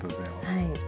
はい。